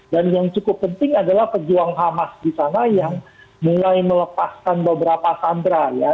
dan yang cukup penting adalah pejuang hamas di sana yang mulai melepaskan beberapa sandera ya